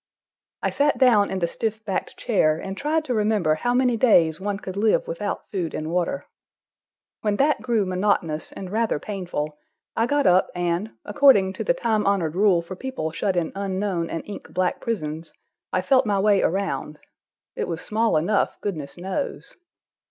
I sat down in the stiff backed chair and tried to remember how many days one could live without food and water. When that grew monotonous and rather painful, I got up and, according to the time honored rule for people shut in unknown and ink black prisons, I felt my way around—it was small enough, goodness knows.